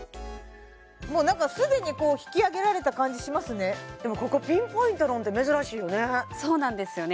もう何かすでにこう引き上げられた感じしますねでもここピンポイントのんて珍しいよねそうなんですよね